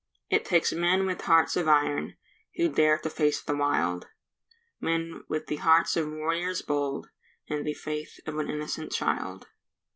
It takes men with hearts of iron Who dare to face the wild; Men with the hearts of warriors bold, And the faith of an innocent child.